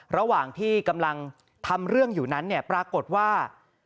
ระหว่างที่กำลังทำเรื่องอยู่นั้นเนี่ยปรากฏว่า